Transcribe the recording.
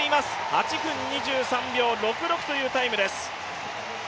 ８分２３秒６６というタイムです。